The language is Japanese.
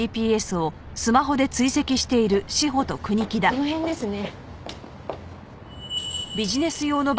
この辺ですね。